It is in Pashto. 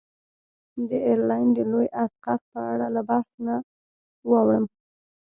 د ایرلنډ د لوی اسقف په اړه له بحث نه واوړم.